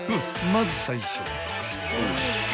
［まず最初は］